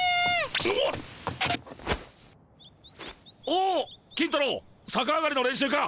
おお金太郎さか上がりの練習か。